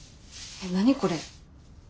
えっ何これ。